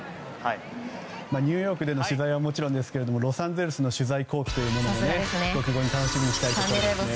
ニューヨークでの取材はもちろんですけどもロサンゼルスの取材後記も楽しみにしたいと思います。